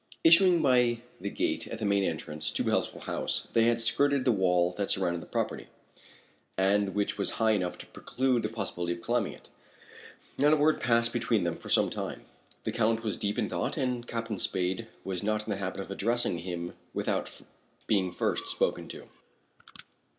Issuing by the gate at the main entrance to Healthful House, they had skirted the wall that surrounded the property, and which was high enough to preclude the possibility of climbing it. Not a word passed between them for some time; the Count was deep in thought and Captain Spade was not in the habit of addressing him without being first spoken to.